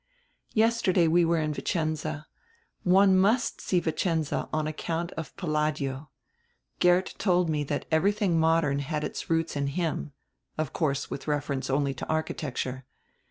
"Yesterday we were in Vicenza. One must see Vicenza on account of Palladio. Geert told me diat everything modern had its roots in him. Of course, with reference only to architecture.